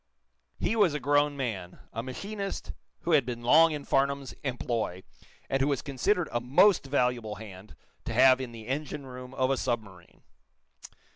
He was a grown man, a machinist who had been long in Farnum's employ, and who was considered a most valuable hand to have in the engine room of a submarine.